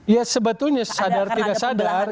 ya sebetulnya sadar tidak sadar